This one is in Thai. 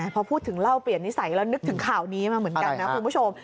พอพูดถึงเล่าเปลี่ยนนิสัยแล้วนึกถึงข่าวนี้มาเหมือนกันนะคุณผู้ชม